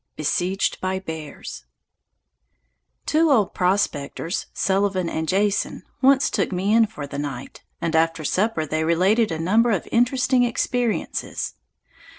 Besieged by Bears Two old prospectors, Sullivan and Jason, once took me in for the night, and after supper they related a number of interesting experiences.